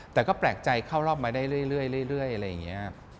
แต่ก็แปลกใจเข้ารอบมาได้เรื่อยอะไรอย่างนี้